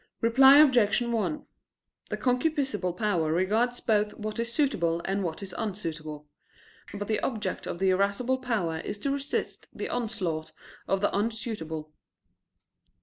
Reply Obj. 1: The concupiscible power regards both what is suitable and what is unsuitable. But the object of the irascible power is to resist the onslaught of the unsuitable.